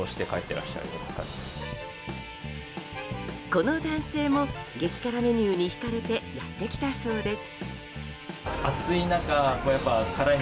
この男性も激辛メニューに引かれてやってきたそうです。